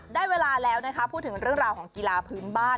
ได้เวลาแล้วนะคะพูดถึงเรื่องราวของกีฬาพื้นบ้าน